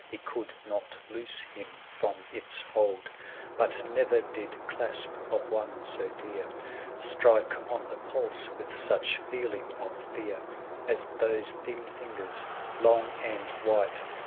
He could not loose him from its hold; 555 But never did clasp of one so dear Strike on the pulse with such feeling of fear, As those thin fingers, long and white.